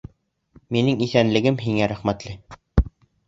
Минең иҫәнлегем һиңә рәхмәтле.